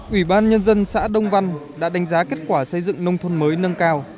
ủy ban nhân dân xã đông văn đã đánh giá kết quả xây dựng nông thôn mới nâng cao